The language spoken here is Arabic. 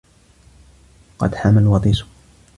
قد حمى الوطيس